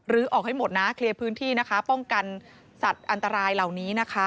รื้อออกให้หมดเคลียร์พื้นที่ป้องกันสัตว์อันตรายเหล่านี้